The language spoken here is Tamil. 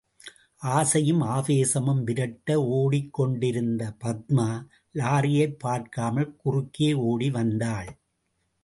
ஆசையும், ஆவேசமும் விரட்ட ஓடிக் கொண்டிருந்த பத்மா, லாரியைப் பார்க்காமல் குறுக்கே ஓடி வந்தாள்.